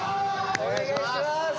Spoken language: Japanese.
お願いします！